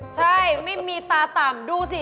ใช่ไม่มีตาต่ำดูสิ